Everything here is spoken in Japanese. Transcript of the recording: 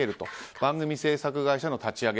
番組制作会社の立ち上げ。